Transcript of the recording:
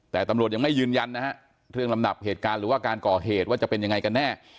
แต่ตำรวจยังไม่ยืนยันนะฮะเรื่องลำดับเหตุการณ์หรือว่าการก่อเหตุว่าจะเป็นยังไงกันแน่